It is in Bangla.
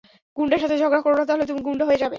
গুন্ডার সাথে ঝগড়া করো না, তাহলে তুমি গুন্ডা হয়ে যাবে।